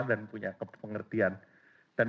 dan punya kepengertian dan